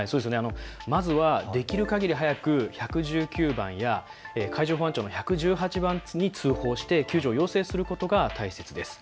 まずはできるかぎり早く１１９番や海上保安庁の１１８番に通報して救助を要請することが大切です。